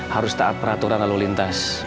harus taat peraturan lalu lintas